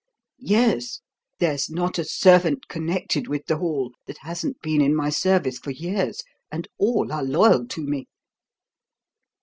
"Yes. There's not a servant connected with the hall that hasn't been in my service for years, and all are loyal to me."